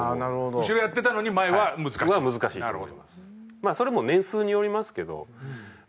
まあそれも年数によりますけどま